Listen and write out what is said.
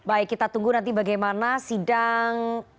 baik kita tunggu nanti bagaimana sidang